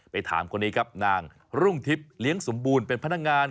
ถามคนนี้ครับนางรุ่งทิพย์เลี้ยงสมบูรณ์เป็นพนักงาน